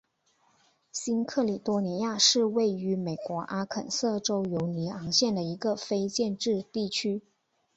新喀里多尼亚是位于美国阿肯色州犹尼昂县的一个非建制地区。